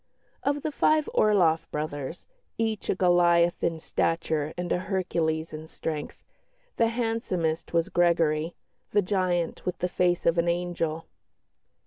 Of the five Orloff brothers, each a Goliath in stature and a Hercules in strength, the handsomest was Gregory, "the giant with the face of an angel."